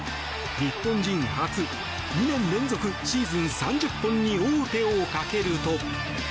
日本人初２年連続シーズン３０本に王手をかけると。